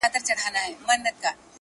• شپه او ورځ په یوه بل پسي لګیا وي -